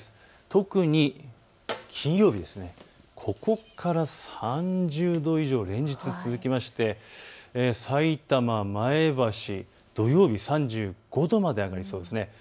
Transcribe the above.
特に金曜日、ここから３０度以上が連日続きましてさいたま、前橋、土曜日３５度まで上がりそうです。